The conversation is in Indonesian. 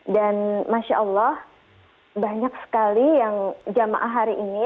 dan masya allah banyak sekali yang jemaah hari ini